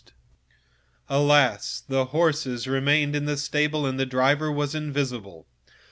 Alas! the horses remained in the stable, the driver was invisible.